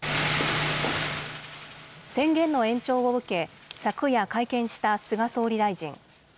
宣言の延長を受け、昨夜会見した菅総理大臣。